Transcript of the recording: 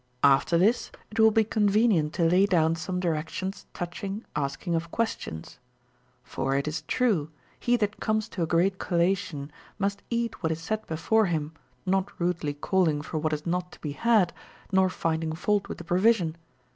lU. After this, it will be convenient to lay down some directions touching asking of questions. For it is true, he that comes to a great collation must eat what is set before him, not rudely calling for what is not to be had nor finding fi\ult with the provision.